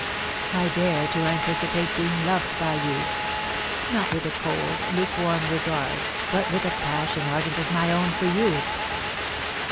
I dare to anticipate being loved by you, not with a cold, lukewarm regard, but with a passion ardent as my own for you.